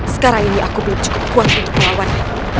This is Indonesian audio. sekarang ini aku belum cukup kuat untuk melawannya